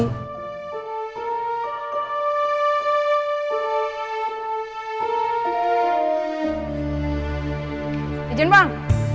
tapi dia udah mulai berpikir